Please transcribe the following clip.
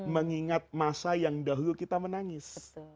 mengingat masa yang dahulu kita menangis